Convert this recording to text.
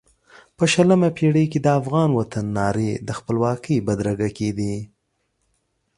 په شلمه پېړۍ کې د افغان وطن نارې د خپلواکۍ بدرګه کېدې.